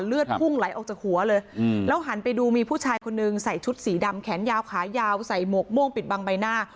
พุ่งไหลออกจากหัวเลยแล้วหันไปดูมีผู้ชายคนนึงใส่ชุดสีดำแขนยาวขายาวใส่หมวกม่วงปิดบังใบหน้า